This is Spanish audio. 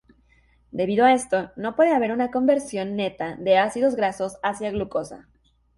Debido a esto no puede haber una conversión neta de ácidos grasos hacia glucosa.